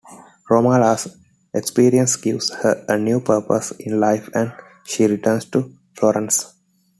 Romola's experience gives her a new purpose in life and she returns to Florence.